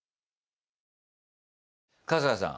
春日さん。